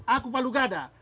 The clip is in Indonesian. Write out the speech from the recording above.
aku palu gada